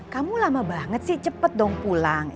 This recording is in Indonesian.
kamu lama banget sih cepet dong pulang